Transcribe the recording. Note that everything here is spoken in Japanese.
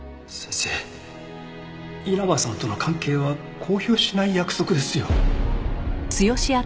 先生稲葉さんとの関係は公表しない約束ですよ。